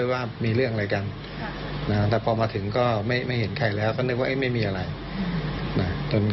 ว่าทุกคนคงเดินจนเหนือเกิน